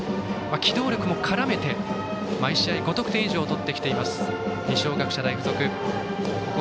機動力も絡めて毎試合５得点以上取ってきている二松学舎大付属。